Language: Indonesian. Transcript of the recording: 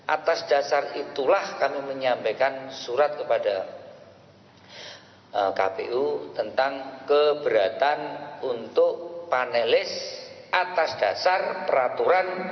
atas dasar itulah kami menyampaikan surat kepada kpu tentang keberatan untuk panelis atas dasar peraturan